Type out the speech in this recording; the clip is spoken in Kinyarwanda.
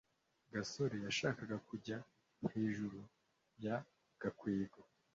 gasore yashakaga kujya hejuru ya gakwego